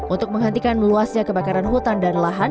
untuk menghentikan meluasnya kebakaran hutan dan lahan